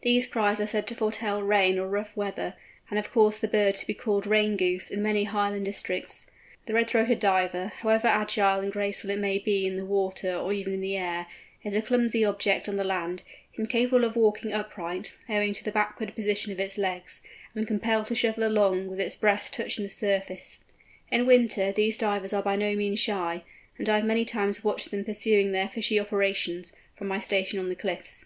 These cries are said to foretell rain or rough weather, and have caused the bird to be called "Rain Goose" in many Highland districts. The Red throated Diver, however agile and graceful it may be in the water or even in the air, is a clumsy object on the land, incapable of walking upright, owing to the backward position of its legs, and compelled to shuffle along with its breast touching the surface. In winter these Divers are by no means shy, and I have many times watched them pursuing their fishing operations, from my station on the cliffs.